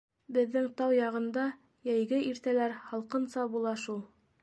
Беҙҙең тау яғында йәйге иртәләр һалҡынса була шул.